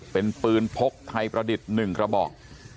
เป็นปืนพกไทยประดิษฐ์๑กระบอก